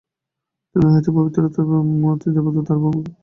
তুমি হয়তো পবিত্রতার মূর্তি দেবদূত, আর আমি হয়তো মহাদুষ্কৃতিকারী দানব।